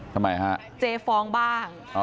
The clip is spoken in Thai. ทำไมคะอ๋อเหรอเจ๊ฟ้องบ้าง